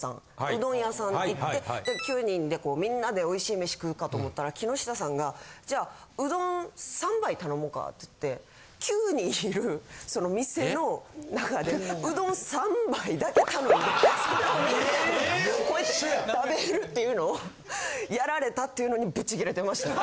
うどん屋さん行って９人でみんなでおいしい飯食うかと思ったら木下さんがじゃあうどん３杯頼もうかっつって９人いる店の中でうどん３杯だけ頼んでそれをみんなでこうやって食べるっていうのをやられたっていうのにブチ切れてましたね。